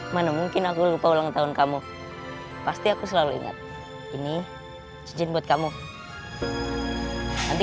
mana mungkin aku lupa ulang tahun kamu pasti aku selalu ingat ini izin buat kamu nanti